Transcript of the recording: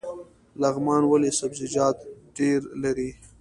لغمان ولې سبزیجات ډیر لري؟